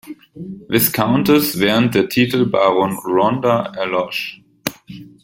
Viscountess, während der Titel Baron Rhondda erlosch.